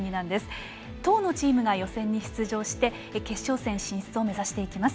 １０のチームが予選に出場して決勝戦進出を目指していきます。